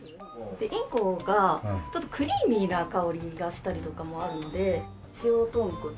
インコがちょっとクリーミーな香りがしたりとかもあるんで塩とんこつ。